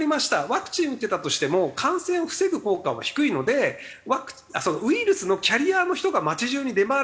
ワクチン打ってたとしても感染を防ぐ効果は低いのでウイルスのキャリアの人が街中に出回る状態なんですよね。